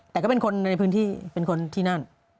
แต่ก็เป็นคนในพื้นที่เป็นคนที่นั่น